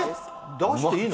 出していいの？